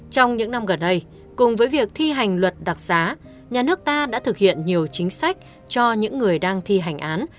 trong những năm gần đây cùng với việc thi hành luật đặc giá nhà nước ta đã thực hiện nhiều chính sách cho những người đang thi hành án